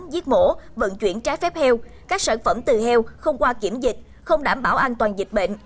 giết mổ vận chuyển trái phép heo các sản phẩm từ heo không qua kiểm dịch không đảm bảo an toàn dịch bệnh